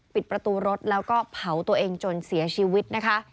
ปิดประตูรถแล้วก็เผาตัวเองจนเสียชีวิตนะคะ